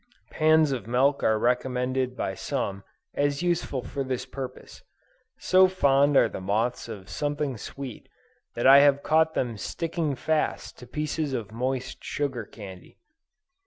Pans of milk are recommended by some as useful for this purpose. So fond are the moths of something sweet, that I have caught them sticking fast to pieces of moist sugar candy.